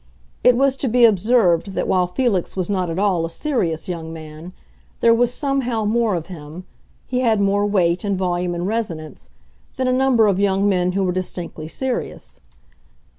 It was to be observed that while Felix was not at all a serious young man there was somehow more of him—he had more weight and volume and resonance—than a number of young men who were distinctly serious.